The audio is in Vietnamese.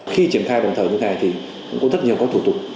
khi triển khai bằng thời hôm nay thì cũng rất nhiều có thủ tục